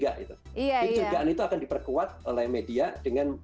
jadi curigaan itu akan diperkuat oleh media dengan